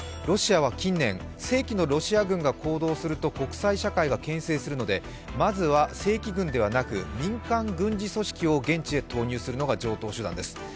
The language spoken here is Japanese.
ロシアは近年、正規のロシア軍が行動すると国際社会が牽制するのでまずは正規軍ではなく民間軍事組織を現地へ投入するのが常套手段です。